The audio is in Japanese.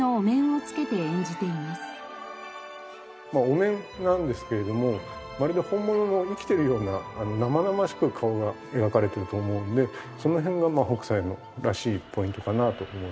お面なんですけれどもまるで本物の生きてるような生々しく顔が描かれていると思うんでその辺が北斎らしいポイントかなというふうに思います。